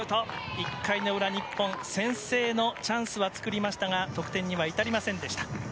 １回の裏、日本先制のチャンスは作りましたが得点には至りませんでした。